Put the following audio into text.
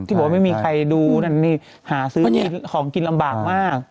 บอกว่าไม่มีใครดูนั่นนี่หาซื้อของกินลำบากมาก